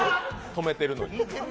止めてるのに。